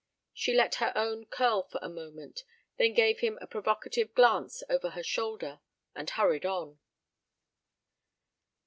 She let her own curl for a moment, then gave him a provocative glance over her shoulder and hurried on.